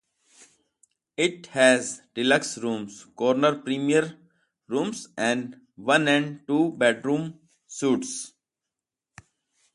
It had deluxe rooms, corner premier rooms, and one- and two-bedroom suites.